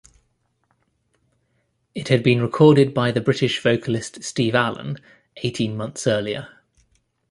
It had been recorded by the British vocalist, Steve Allan, eighteen months earlier.